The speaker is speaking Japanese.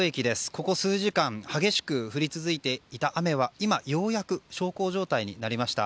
ここ数時間激しく降り続いていた雨は今ようやく小康状態になりました。